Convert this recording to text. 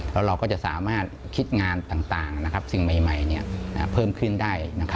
แล้วเราก็จะสามารถคิดงานต่างสิ่งใหม่เพิ่มขึ้นได้